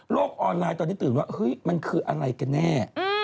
โลกออนไลน์ตอนที่ตื่นว่ามันคืออะไรกันแน่